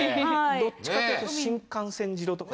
どっちかっていうと新幹線城とか。